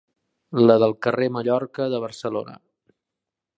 La del Carrer Mallorca de Barcelona.